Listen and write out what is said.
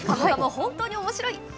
本当におもしろい。